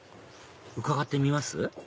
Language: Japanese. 伺ってみます？